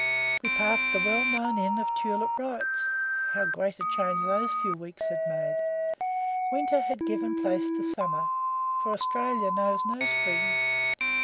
We passed the well known inn of Tulip Wright's. How great a change those few weeks had made! Winter had given place to summer, for Australia knows no spring.